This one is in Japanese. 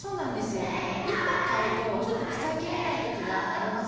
１本買うとちょっと使い切れない時がありますよね。